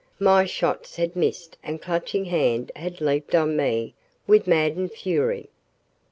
My shots had missed and Clutching Hand had leaped on me with maddened fury.